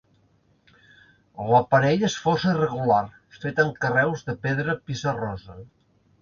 L'aparell és força irregular, fet amb carreus de pedra pissarrosa.